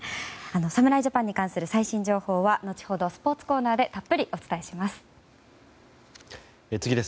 侍ジャパンに関する最新情報は後ほど、スポーツコーナーでたっぷりお伝えします。